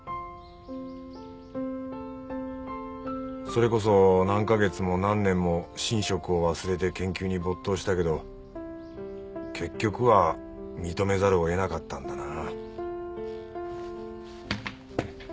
それこそ何カ月も何年も寝食を忘れて研究に没頭したけど結局は認めざるを得なかったんだな。